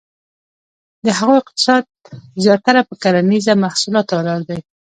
د هغو اقتصاد زیاتره په کرنیزه محصولاتو ولاړ دی.